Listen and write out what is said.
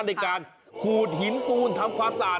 ในการขูดหินปูนทำความสะอาด